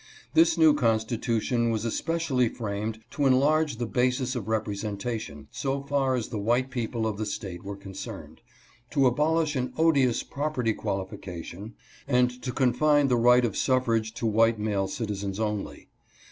This new constitution was especially framed to enlarge the basis of representation so far as the white people of the State were concerned — to abolish an odious property qualification and to confine the right of suffrage to white male citizens only.